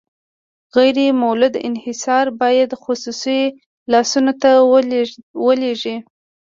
غیر مولد انحصار باید خصوصي لاسونو ته ولویږي.